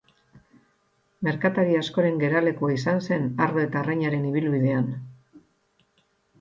Merkatari askoren geralekua izan zen ardo eta arrainaren ibilbidean.